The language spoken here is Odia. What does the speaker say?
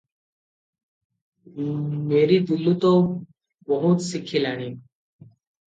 ମେରି ଦିଲୁ ତ ବହୁତ ଶିଖିଲାଣି ।